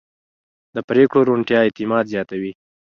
د پرېکړو روڼتیا اعتماد زیاتوي